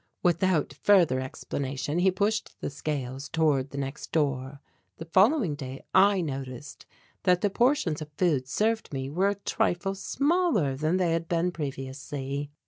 Without further explanation he pushed the scales toward the next door. The following day I noticed that the portions of food served me were a trifle smaller than they had been previously.